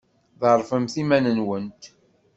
Ḍerrfemt iman-nwent.